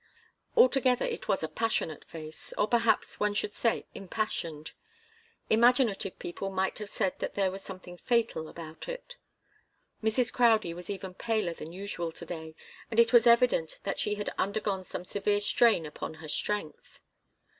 Altogether, it was a passionate face or perhaps one should say impassioned. Imaginative people might have said that there was something fatal about it. Mrs. Crowdie was even paler than usual to day, and it was evident that she had undergone some severe strain upon her strength.